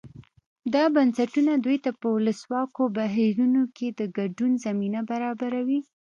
دا بنسټونه دوی ته په ولسواکو بهیرونو کې د ګډون زمینه برابروي.